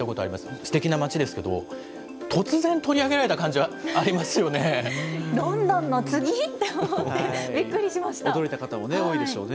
すてきな街ですけど、突然、取りロンドンの次？と思って、び驚いた方も多いでしょうね。